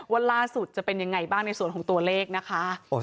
ว่าล่าสุดจะเป็นยังไงบ้างในส่วนของตัวเลขนะคะ